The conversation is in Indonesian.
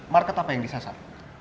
market apa yang disasar